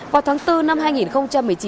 vào tháng bốn năm hai nghìn một mươi chín